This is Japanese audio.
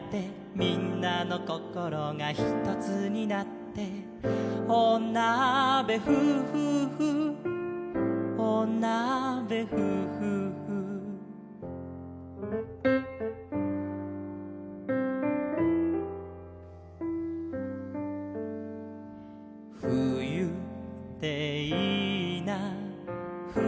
「みんなのこころがひとつになって」「おなべふふふおなべふふふ」「ふゆっていいなふゆってね」